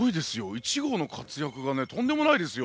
１号の活躍がねとんでもないですよ。